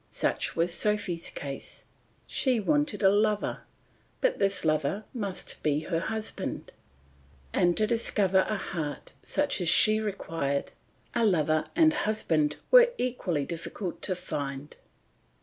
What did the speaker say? Such was Sophy's case; she wanted a lover, but this lover must be her husband; and to discover a heart such as she required, a lover and husband were equally difficult to find.